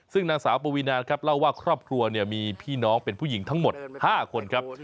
ซึ่งนางสาวปวีนาครับเล่าว่าครอบครัวมีพี่น้องเป็นผู้หญิงทั้งหมด๕คนครับ